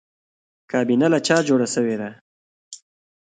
کابینه له چا جوړه شوې ده؟